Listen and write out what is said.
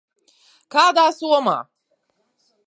Kādā somā?